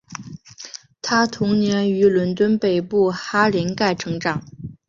她童年于伦敦北部哈林盖成长。